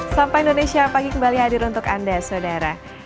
sampai indonesia pagi kembali hadir untuk anda saudara